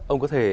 ông có thể